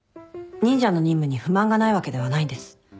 忍者の任務に不満がないわけではないんです。